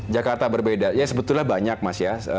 jakarta berbeda ya sebetulnya banyak mas ya